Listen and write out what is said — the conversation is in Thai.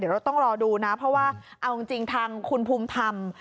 เดี๋ยวเราต้องรอดูนะเพราะว่าเอาจริงทางคุณภูมิธรรม